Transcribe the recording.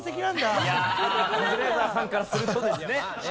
カズレーザーさんからするとですよね。